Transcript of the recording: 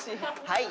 「はい！